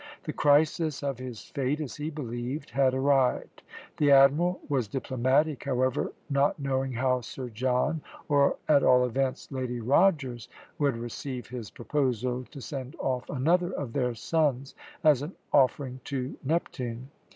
The crisis of his fate, as he believed, had arrived. The Admiral was diplomatic, however, not knowing how Sir John, or at all events Lady Rogers, would receive his proposal to send off another of their sons as an offering to Neptune.